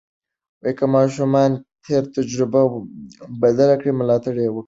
که ماشوم تېره تجربه بدله کړه، ملاتړ یې وکړئ.